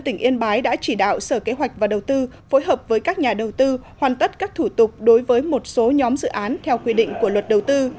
tỉnh yên bái đã chỉ đạo sở kế hoạch và đầu tư phối hợp với các nhà đầu tư hoàn tất các thủ tục đối với một số nhóm dự án theo quy định của luật đầu tư